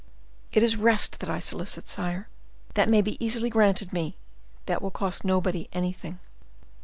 It is rest that I solicit, sire. That may be easily granted me. That will cost nobody anything."